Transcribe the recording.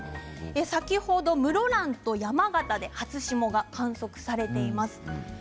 先ほど室蘭と山形で初霜が観測されています。